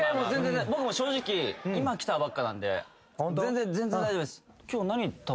僕も正直今来たばっかなんでホント？